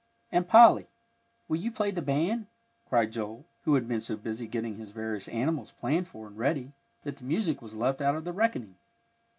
"And, Polly, will you play the band?" cried Joel, who had been so busy getting his various animals planned for and ready, that the music was left out of the reckoning.